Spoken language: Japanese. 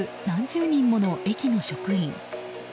何十人もの駅の職員。